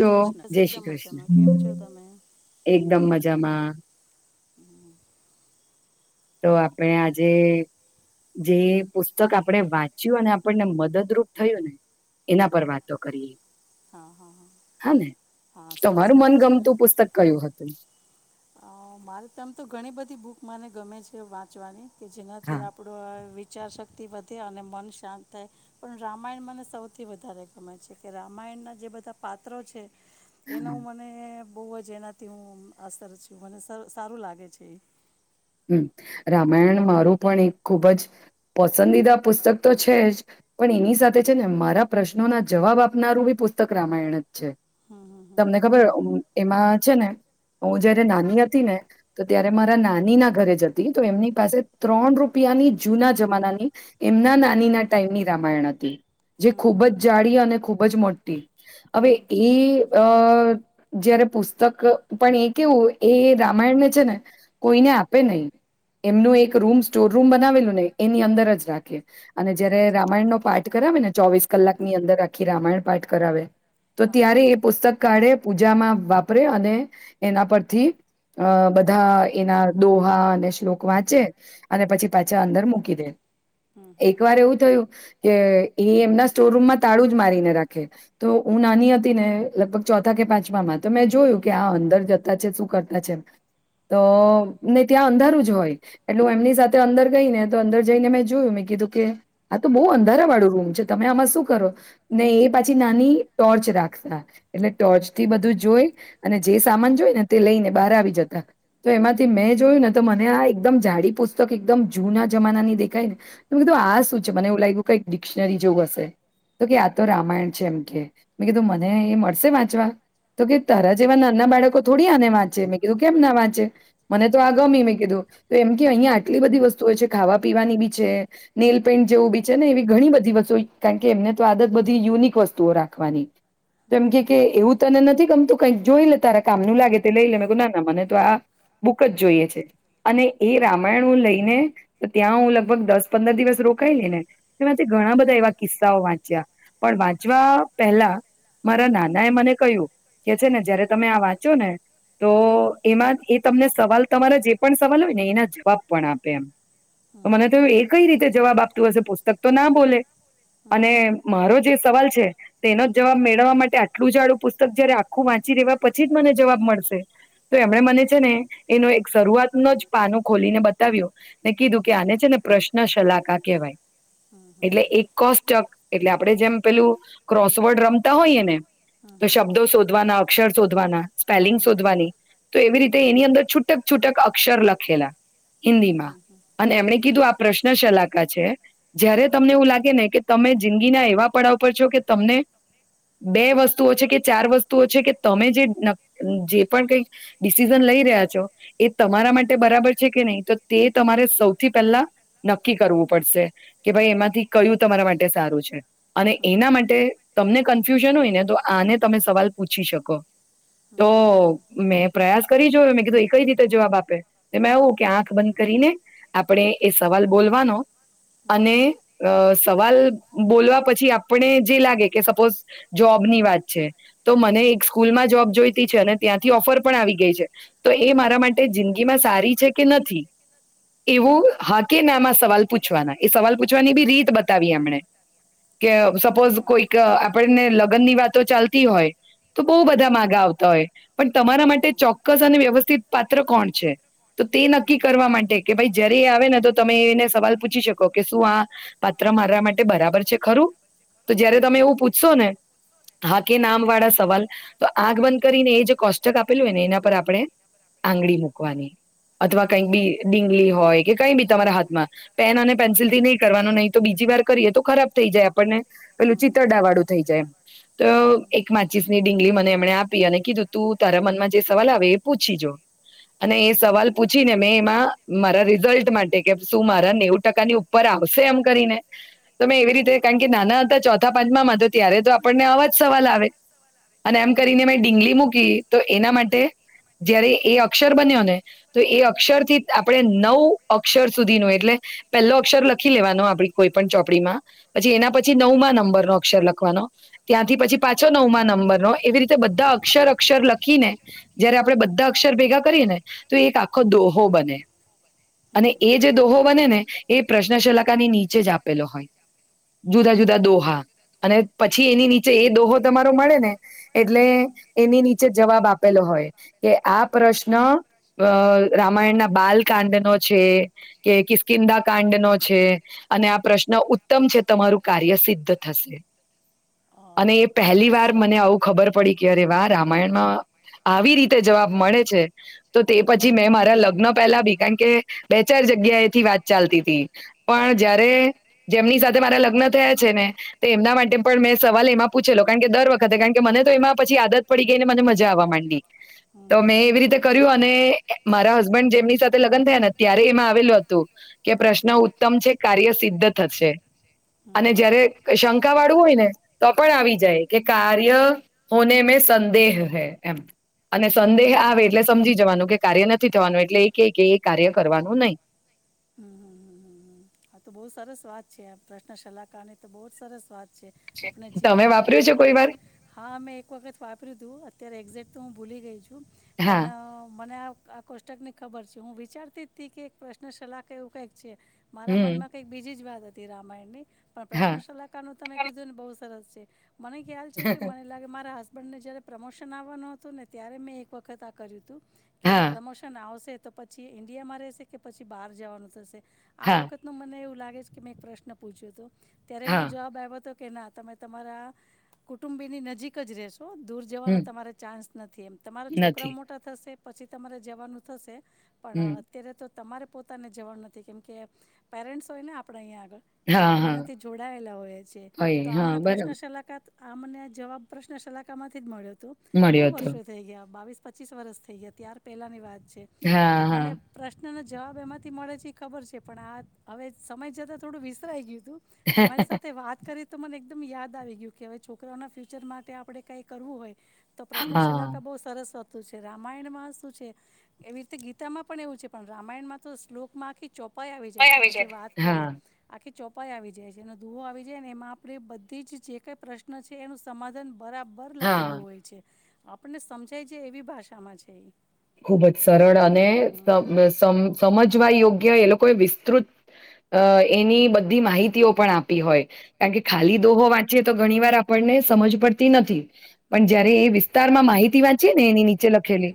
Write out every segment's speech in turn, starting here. લો. જય શ્રી કૃષ્ણ. એકદમ મજામાં. તો આપણે આજે જે પુસ્તક આપણે વાંચ્યું અને આપણને મદદરૂપ થયું ને એના પર વાતો કરીએ. હા ને. તમારું મન ગમતું પુસ્તક કયું હતું? અહ મારે તો એમ તો ઘણી બધી બુક મને ગમે છે વાંચવાની. કે જેનાથી આપડો આ વિ ઉચારશક્તિ વધે અને મન શાંત થાય પણ રામાયણ મને સૌથી વધારે ગમે છે કે રામાયણનાં જે બધા પાત્રો છે એના હું મને બોવ જ એનાથી હુ અસ કરુ છું અને સારું લાગે છે ઈ હમમ રામાયણ મારું પણ એક ખુબ જ પસંદીદા પુસ્તક તો છે જ પણ એની સાથે છે ને મારા પ્રશ્નોના જવાબ આપનારું બી પુસ્તક રામાયણ જ છે. તમને ખબર એમાં છે ને હું જયારે નાની હતી ને તો ત્યારે મારા નાનીના ઘરે જતી તો એમની પાસે ત્રણ રૂપિયાની જૂના જમાનાની એમના નાની ના ટાઈમની રામાયણ હતી. જે ખૂબ જ જાડી અને ખૂબ ખૂબ જ મોટી હવે એ અ જયારે પુસ્તક પણ એ કેવું એ રામાયણને છે ને કોઈને આપ પે નહીં. એમનું એક રૂમ સ્ટોર રૂમ બનાવેલું એની અંદર જ રાખીએ અને જયારે રામાયણ નો પાઠ કરાવે ને ચોવીસ કલાક ની અંદર આખી રામાયણ પાઠ કરાવે તો ત્યારે એ પુસ્તક કાઢે પૂ પૂજામાં વાપરે અને એના પરથી અ બધા એના દોહા અને શ્લોક વાંચે અને પછી પાછા અંદર મૂકી દે. એક વાર એવું થયું કે એ એમના સ્ટોરરૂમમાં તાળું જ મારીને રાખે તો હું નાની હતી ને લગભગ ચોથા કે પાંચમા માં તો મેં જોયું કે આ અંદર જતા છે શું કરતા છે તો ને ત્યાં અંધારું જ હોય એટલે હું એમની સાથે અંદર ગઈ ને તો અંદર જઈને મેં જોયું મેં કીધું કે આ તો બો અંધારા વાળું રૂમ છે. તમે આમાં શું કરો ને એ પાછી નાની ટોર્ચ રાખતા એટલે ટોર્ચ થી બધું જોઈ અને જે સામાન જોઈ ને તે લઈને બહાર આવી જતા તો એમાં મેં જોયું ને તો મને આ એકદમ જાડી પુસ્તક એકદમ જૂના જમાના ની દેખાય ને કીધું આ શું છે મને એવું લાગ્યું કઈ ડિક્શનરી જોવું હશે તો કે આ તો રામાયણ છે એમ કે મેં કીધું મને એ મળશે વાચ તો કે તારા જેવા નાના બાળકો થોડી આને વાંચે મેં કીધું કેમ ના વાંચે. મને તો આ ગમી મેં કીધું તો એમ કે અહીયા આટલી બધી વસ્તુ હોય છે ખાવા પીવાની બી છે, નેલ પેન્ટ જેવું બી છે ને એવી ઘણી બધી વસ્તુ કારણ કે એમને તો આદત બધી યુનિક વસ્તુઓ રાખવાની. રી એમ કેય કે એવું તને નથી ગમતું કઈ જોઈ લે તારા કામ નું લાગે તે લઈ લે મે કીધું ના મને તો આ બુક જ જોઈએ છે અને એ રામાયણ હું લઈને તો ત્યાં હું લગભગ દસ પંદર દિવસ રોકાયલી ને એમાંથી ઘણા બધા એવા કિસ્સાઓ વાંચ્યા પણ વાંચવા પહેલા મારા નાના એ મને કહ્યું કે છે ને જયારે તમે આ વાંચો ને તો એમાં એ તમને સવાલ તમારા જે પણ સવાલ હોય ને એના જવાબ પણ આપે એમ તો મને તો એ કઈ રીતે જવાબ આપતું હશે પુસ્તક તો ના બોલે. અને મારો જે સવાલ છે તેનો જવાબ મેળવવા માટે આટલું જાડું પુસ્તક જયારે આખું વાંચી રહેેવા પછી જ મને જવાબ મળશે. તો એમણે મને એનો એક શરૂઆત નું જ પાનું ખોલીને બતાવ્યૂ ને કીધું કે આને છે ને પ્રશ્ન સલાકા કહેવાય. એટલે એક કોસ્ટક એટલે આપડે જેમ પેલું ક્રોસવર્ડ રમતા હોઈએ ને તો શબ્દો શોધવાના, અક્ષર શોધવાના, સ્પેલિંગ શોધવાની તો એવી રીતે ની અંદર છૂટક છૂટક અક્ષર લખેલા હિન્દીમાં. અને એમણે કીધું આ પ્રશ્ન સલાક [unintelligible] છે. જયારે તમને એવું લાગે ને કે તમે જિંદગીના એવા પડાવ પર છો કે તમને બે વસ્તુઓ છે કે ચાર વસ્તુઓ છે કે તમે જે ન પણ કઈ ડિસ સિઝન લઈ રહ્યા છો એ તમારા માટે બરાબર છે કે નહીં, તો તે તમારે સૌથી પહેલા નક્કી કરવું પડશે, કે ભાઈ એમાંથી કયું તમારા માટે સારું છે. અને એના માટે તમને કન્ફ્યુઝન હોય ને તો આને તમે સવાલ પૂછી શકો. તો મેં [unintelligible] કરી જોવ મેં કીધું એ કઈ રીતે જવાબ આપે, તો એમાં એવું કે આંખ બંધ કરીને આપણે એ સવાલ બોલવાનો અને અહ સવાલ બોલવા પછી આપણે જે લાગે કે સપોઝ જોબની વાત છે, તો મને એક સ્કૂલ માં જોબ જોઈતી છે, અને ત્યાંથી ઓફર પણ આવી ગઈ છે. તો એ મારા માટે જિંદગીમાં સારી છે કે નથી એવું હા કે ના આમાં સવાલ પૂછવાના, એ સવાલ પૂછવાની બી રીત બતાવી એમણે. કે સપોઝ કોઈક આપણને લ ગનની વાતો ચાલતી હોય તો બહુ બધા માગા આવતા હોય, પણ તમારા માટ તે ચોક્કસ અને વ્યવસ્થિત પાત્ર કોણ છે? તો તે નક્કી કરવા માટે કે ભાઈ જે દે આવે ને તો તમે એને સવાલ પૂછી શકો કે શું આ પાત્ર મારા માટે બરાબર છે ખરું. તો જયારે તમે એવું પૂછશો ને હા કે નામ વાળા સવાલ તો આગ બંધ કરીને એ કોષ્ટક આપ પેલું હોય ને એના પર આપણે આંગળી મૂકવાની. અથવા કઈક બી બિંગલીઓ હોય કે કઈ બી તમારા હાથમાં પેન અને પેન્સિલથી નહી કરવાનું નહી તો બીજી વાર કરીએ તો ખરાબ થઈ જાય આપણને પેલું ચિતરડા વાળું થઈ જાય. તો એક માચીસની ડીંગલી મને એમણે આપી અને કીધું તું તારે મન માં જે સવાલ આવે એ પૂછી જો. અને એ સવાલ પૂછીને મેં એમાં મારા રિઝલ્ટ માટે કે શું મારા નેવું ટકાની ઉપર આવશે એમ કરીને તો મેં એવી રીતે કારણ કે નાના હતા ચોથા પાંચમામાં તો ત્યારે તો આપણને આવાજ સવાલ આવે. અને એમ કરીને મેં ડીંગલી મૂકી તો એના માટે જયારે એ અક્ષર બન્યો ને તો એ અક્ષર થી આપડે નવ અક્ષર સુધીનો એટલે પહેલો અક્ષર લખી લેવાનો આપડી કોઈ પણ ચોપડીમાં પછી એના પછી નવમાં નંબર નો અક્ષર લખવાનો ત્યાંથી પછી પાછો નવમાં નંબર નો એવી રીતે બધા ક્ષર અક્ષર ખીને જયારે આપડે બધા અક્ષર ભેગા કરીએ ને તો એક આખો દોહો બને. અને એ જે દોહો બને ને એ પ્રશ્નશલાકાની નીચે જ આપેલો હોય. જુદા જુદા દોહા અને પછી એની નીચે એ દોહો તમારો મળે ને એટલે એની ની ચે જવાબ આપેલો હોય. કે આ પ્રશ્ન અહ રામાયણના બાલકાંડ નો છે કે કિસકિંદા કાંડ નો છે અને આ પ્રશ્ન ઉત્તમ છે તમારું કાર્ય સિદ્ધ થશે. અને એ પહેલી વાર મને આવું ખબર પડી કે અરે વારા માન્ડમાં આવી રીતે જવાબ મળે છે. તો તે પછી મેં મારા લગ લગ્ન પેલા બી, કારણ કે બે ચાર જગ્યા એથી વાત ચાલતી હતી. પણ જયારે જેમની સાથે મારા લગ્ન થયા છે ને તો એમના માટે પણ મેં સવાલ એમાં પૂછેલો કારણ કે દર વખતે કારણ કે મને તો એમાં પછી આદત પડી ગયી અને મને મજા આવવા માંડી. તો મેં એવી રીતે કર્યું અને એ મારા હસબન્ડ જેમની સાથે લગ્ન થયા ને ત્યારે એમાં આવેલું હતું કે પ્રશ્ન ઉત્તમ છે કાર્ય સિદ્ધ થશે. અને જયારે શંકા વાળું હોય ને તો પણ આવી જાય કે કાર્ય હોને મે સંદેહ હૈ, એમ. અને સંદેહ આવે એટલે સમજી જવાનું કે કાર્ય નથી થવાનું એટલે એ કે એ કાર્ય કરવાનું નહી. હમ્મ, હમ્મ, હમ્મ, હમ્મ, હમ્મ. આ તો બહુ સરસ વાત છે. આ પ્રશ્નશલાકાર ની તો બહુ જ સરસ વાત છે. આપણે જીવનમાં કઈ પણ હા મેં એક વખત વાપર્યું તું અત્યારે એક્ઝેટ તો હું ભૂલી ગઈ છું. પણ મને આવ આ કોષ્ટક ની ખબર છે. હું વિચારતી થી કે એક પ્રશ્ન સલાહ એવું કઈક છે. મારા મનમાં કઈ બીજી જ વાત હતી. તે રામાયણને પણ પ્રશ્ન સલાહકાર નું તમે કીધું ને બહુ સરસ છે. મને ખ્યાલ છે કે મને લાગે મારા હ સબન્ડ જ્યારે પ્રમોશન આવવાનું હતું ને ત્યારે મેં એક વખત આ કર્યું હતું. કે એને પ્રમોશન આવશે. તો પછી ઇન્ડિયામાં રહેશે કે પછી બહાર જવાનું થશે તો આ વખત નું મને એવું લાગે કે મેં એક પ્રશ્ પૂછ્યો તો ત્યારેના જવાબ આવ્યો તો કે ના તમે તમારા કુટુંબીની નજીક જ રહેશો તો દૂર જવાનો તમારે ચાન્સ નથી એમ. તમારા છોકરા મોટા થશે પછી તમારે જવાનું થશે પણ અત્યારે તો તમારે પોતાને જવાનું નથી કેમ કે એ પેરેન્ટસ હોયને આપડે અહીંયા એટલે આપણે એનાથી જોડાયેલા હોય છીએ તો આમને પ્રશ્ન સલાકાત આ મને આ જવાબ પ્રશ્ન સલાકામાંથી જ મળ્યો હ તું. બહુ વર્ષો થઈ ગયા બાવીસ પચીસ વરષ થઈ ગયા ત્યાર પહેલાંની વાત છે. મને પ્રશ્ન નો જવાબ એમાંથી મળે છે એ ખબર છે પણ આ હવે સમય જતા થોડું વિસરાઈ ગયું તું. તમારી સાથે વાત કરી તો મને એકદમ યાદ આવી ગયું કે હવે છોકરાઓના ફ્યુચર માટે આપડણે કઈ કરવું હોય તો પ્રશ્નશલાકા બઉુ સરસ [unintelligible] રામાયણ શું છે એવી રીતે ગીતામાં પણ એવું છે પણ રામાયણમાં તો શ્લોકમાં આખી ચો પાઈ આવી જાય તમે જે વાત કરે આખી ચોપાઈ આવી જાય છે અને દુહો આવી જાયને એમાં આપણે બધી જ જે કઈ પ્રશ્ન છે એનું સમાધાન બરાબર લખેલું હોય છે. આપણને સમજાય છે એવી ભાષામાં છે એ. ખુબ જ સરળ અને સમ સમ સમજવા યો ગ્ય એ લોકો વિસ્તૃત અ એની બધી માહિતીઓ પણ આપી હોય કારણ કે ખાલી દોહો વાંચીએ તો ઘણી વાર આપણને સમજ પડતી નથી. પણ જયારે એ વિસ્તાર માં માહિતી વાં છે ને એની ની ચે લખેલી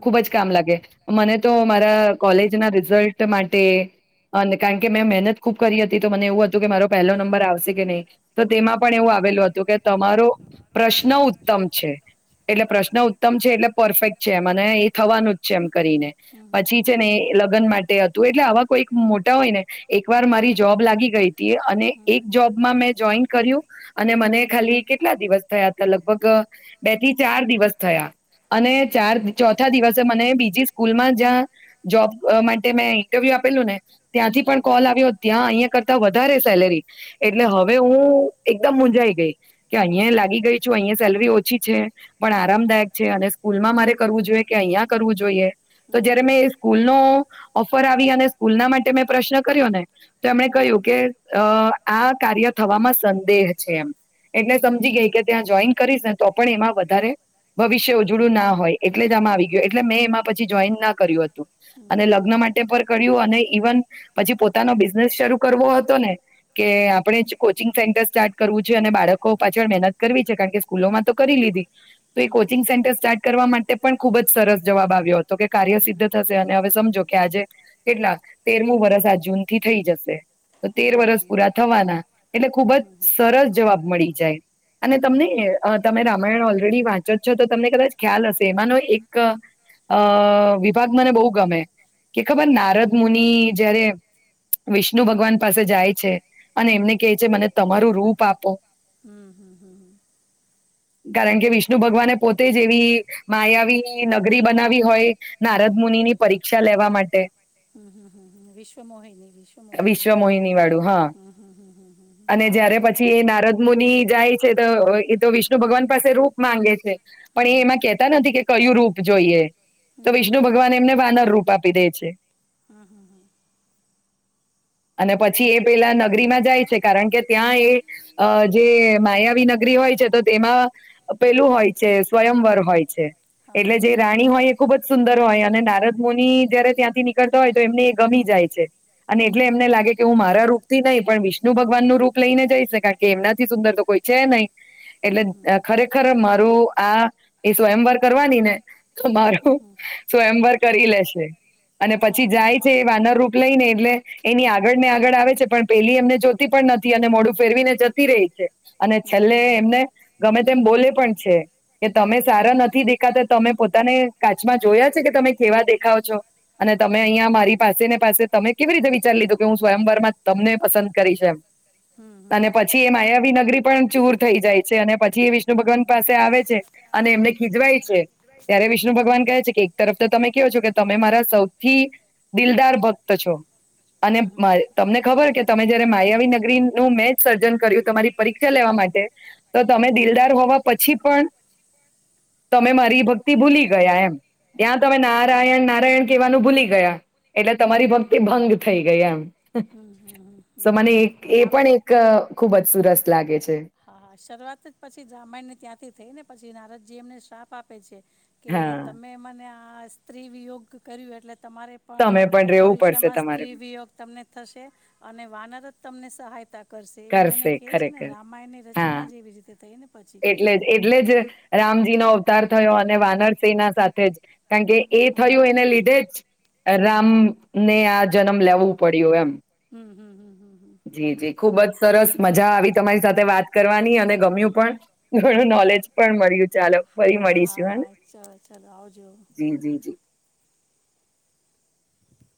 ખુબ જ કામ લાગે મને તો મારા કોલેજ ના રિઝલ્ટ માટે અને કારણ કે મેં મહેનત ખુબ કરી હતી તો મને એવું હતું કે મારો પહેલો નંબર આવશે કે નહી તો તેમાં પણ એવું આવેલું હતું કે તમારો પ્રશ્ન ઉત્તમ છે એટલે પ્રશ્ન ઉત્તમ છે એટલે પરફેક્ટ છે. મને એ થવાનું જ છે એમ કરીને પછી છે ને એ લગન માટે એટલે આવા કોઈ મોટા હોય ને એક વાર મારી જોબ લાગી ગઈ તી અને એક જોબમાં મેં જોઈન કર્યું અને મને ખાલી કેટલા દિવસ થયા હતા લગભગ બે થી ચાર દિવસ થયા અને [unintelligible] ચોથા દિવસે મને બીજી સ્કૂલ માં જ્યાં જોબ માટે મેં ઇન્ટરવ્યુ આપેલું ને ત્યાંથી પણ કોલ આવ્યો ત્યાં અહિયાં કરતા વધારે સેલેરી એટલે હવે હું એક દમ મુંંજાઈ ગઈ. કે અહિયાં લાગી ગઈ છું અહિયાં સેલરી ઓ પછી છે પણ આરામદાયક છે અને ભૂલમાં મા કરવું જોઈએ કે અહિયાં કરવું જોઈએ? તો જયારે મેં સ્કૂલ નો ઓફર આવી અને સ્કૂલ ના માટે મેં પ્રશ્ન કર્યો ને તો એમણે કહ્યું કે અ આ કાર્ય થવામાં સંદેહ છે એમ એટલે સમજી ગઈ કે ત્યાં જોઈન કરીશ ને તો પણ એમાં વધારે ભવિષ્ય ઉજળું ના હોય. એટલે જ આમાં આવી ગયો એટલે મેં એમાં પછી જોઈન ના કર્યું હતું. અને લગ્ન માટે પર કર્યું અને ઇવન પછી પોતાનો બિઝનેસ શરૂ કરવો હતો ને કે આપણેે જ કોચિંગ સેન્ટર્ સ્ટાર્ટ કરવું છે અને બાળકો પાછળ મહેનત કરવી છે કારણ કે સ્કૂલોમાં તો કરી લીધી. તો એ કોચિંગ સેન્ટર સ્ટાર્ટ કરવા મા તે પણ ખુબ જ સરસ જવાબ આવ્યો. તો કે કાર્ય સિદ્ધ થશે અને હવે સમજો કે આજે કેટલા? તેરમું વરસ આ જૂન થી થઈ જશે. તો તેર વરસ પૂરા થવાના એટલે ખુબ જ સરસ જવાબ મળી જાય અને તમને અ તમે રામાયણ ઓ ગણી વાંચો છો તો તમને કદાચ ખ્યાલ હશે તેમાંનો એક અ વિભાગ મને બહુ ગમે કે ખબર નારદ મુનિ જયારે વિષ્ણુ ભગવાન પાસે જાય છે અને એમને કહે છે મને તમારું રૂપ આપો. કારણ કે વિષ્ણુ ભગવાને પોતે જેવી એક માયાવી નગરી બનાવી હોય નારદ મુનિ ની પરીક્ષા લેવા માટે. વિશ્વ મોહિની વિશ્વ મોહિની છે તો એ તો વિષ્ણુ ભગવાન પાસે રૂપ માંગે છે પણ એ એમાં કહેત કે કયું રૂપ જોઈએ? તો વિષ્ણુ ભગવાન એમને વાનર રૂપ આ પી દે છે. [inaudible] અને પછી એ પેલા નગરીમાં જાય છે કારણ કે ત્યાં એ જે માયાવી નગરી હોય છે તો તેમાં પેલું હોય છે સ્વયંવર હોય છે. એટલે જે રાણી હોય એ ખુબ જ સુંદર હોય અને નારદ મોની જયારે ત્યાંથી નીકળતા હોય તો એમને એ ગમી જાય છે. અને એટલે એમને લાગે કે હું મારા રૂપ નહીં પણ વિષ્ણુ ભગવાન નું રૂપ લઈને જાય કારણ કે એમનાથી સુંદર તો કોઈ છે નહીં. એટલે ખરેખર મારે ું આ એ સ્વયંવાર કરવાની ને. તમારું સ્વયંભર કરી લે. છે. અને પછી જાય છે એ વાનર રૂપ લઈને એટલે, એની આ આગળ ને આગળ આવે છે પણ પેલી એમને જોતી પણ નથી અને મોડું ફેરવીને જતી રહી છે. અને છેલ્લે એમને, ગમે તેમમ બોલે પણ છે, કે તમે સારા નથી દેખાતા તમે પોતાને કાચમાં જોયા છે કે તમે કેવા દેખાવ છો. અને તમે અહિયાં મારી પાસે ને પાસે તમે કેવી રીતે વિચારી લીધો કે હું સ્વયંભર માં તમને પસંદ કરીશ એમ. અને પછી એ માયાવી નગરી પણ ચુર થઈ જાય છે અને પ જે વિષ્ણુ ભગવાન પાસે આવે છે. અને એમને ખીજવાય છે, ત્યારે વિષ્ણુ ભગવાન કહે છે. એક તરફ તો તમે કેવો છો કે તમે મારા સૌથી, દિલદાર ભક્ત છો. અને તમને ખબર કે તમે જયારે માયાવી નગરી નું મેચ સર્જન કર્યું તમારી પરીક્ષા લેવા માટે. તો તમે દિલદાર હોવા પછી પણ તમે મારી ભક્તિ ભૂલી ગયા એમ. ત્યાં તમે નારાયણ નારાયણ કેવા ભૂલી ગયા, એટલે તમારી ભક્તિ ભંગ થઈ ગયા એમ, તો મને એક એ પણ એક ખુબ જ સુરસ લાગે છે. હા હા શરૂઆત જ પછી બ્રાહમાણ ની ત્યાંથી થઈ ને પછી નારજ જે એમને શ્રાપ આપે છે. કે તમે મને હ સ્ત્રી વિ યોગ કર્યું એટલે તમારે પણ, ભવિષ્યમાં સ્ત્રી વિયોગ તમને થશે, અને વાનર જ તમને સહાય કરશે એવું એને કેહે છે ને રામ એમાં એની રચના જ એવી રીતે થય ને પછી જી નો અવતાર થયો અને વાનર સેના સાથે જ કારણ કે એ થયું એને લીધે જ રામ ને આ જન્મ લેવું પડ્યું એમ હમમ હમમ હમમ મજા આવી તમારી સાથે વાત કરવાની અને ગમ્યું પણ. ઘણું નોલેજ પણ મળ્યું ચાલો ફરી મળીશું હે જી જી જી.